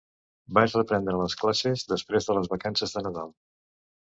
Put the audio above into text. Vaig reprendre les classes després de les vacances de Nadal.